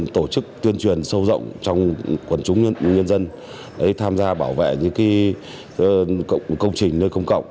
tổ chức tuyên truyền sâu rộng trong quần chúng nhân dân tham gia bảo vệ những công trình nơi công cộng